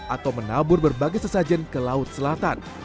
atau menabur berbagai sesajen ke laut selatan